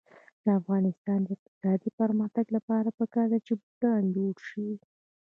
د افغانستان د اقتصادي پرمختګ لپاره پکار ده چې بوټان جوړ شي.